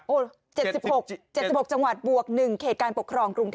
๗๖๗๖จังหวัดบวก๑เขตการปกครองกรุงเทพ